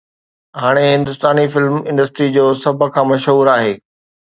هاڻي هندستاني film industry جو سڀ کان مشهور آهي